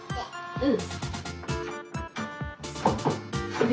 うん。